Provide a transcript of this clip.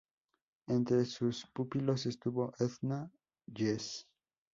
Entre sus pupilos estuvo Edna Iles.